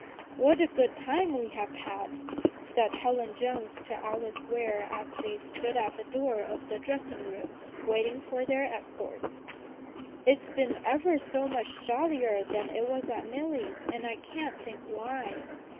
"What a good time we have had!" said Helen Jones to Alice Ware as they stood at the door of the dressing room waiting for their escorts. "It's been ever so much jollier than it was at Milly's, and I can't think why.